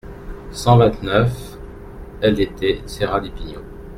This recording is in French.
cent vingt-neuf ldt Serra Di Pigno